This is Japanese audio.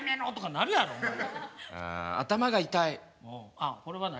あっこれは何？